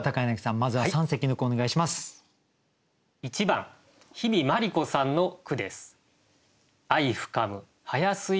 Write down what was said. １番比見眞理子さんの句です。